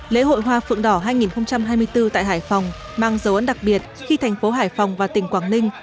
lễ hội hoa phượng đỏ hai nghìn hai mươi bốn tại hải phòng mang dấu ấn đặc biệt khi thành phố hải phòng và tỉnh quảng ninh